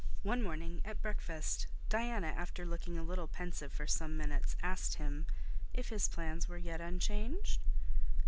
One morning at breakfast, Diana, after looking a little pensive for some minutes, asked him, "If his plans were yet unchanged."